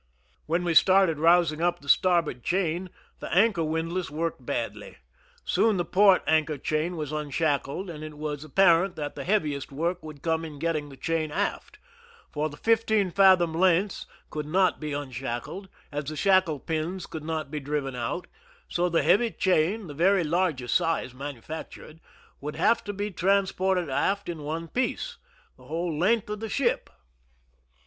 When we started rousing up the starboard chain, the anchor windlass worked badly. Soon the port anchor chain was unshackled, and it was appa rent that the heaviest work would come in get ting the chain aft; for the fifteen fathom lengths could not be unshackled, as the shackle pins could not be driven out ; so the heavy chain, the very largest size manufactured, would have to be trans ported aft in one piece the whole length of the ship.